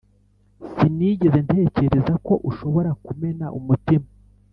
sinigeze ntekereza ko ushobora kumena umutima